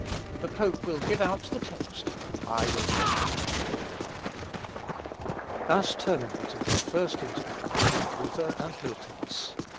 The pope will give out the text, and I will make the commentary." Thus terminated the first interview between Luther and Miltitz.